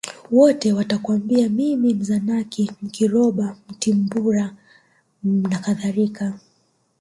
Wote watakwambia mimi Mzanaki Mkiroba Mtimbaru nakadhalika